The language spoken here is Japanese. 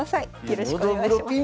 よろしくお願いします。